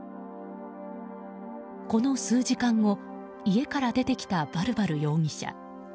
この数時間後、家から出てきたバルバル容疑者。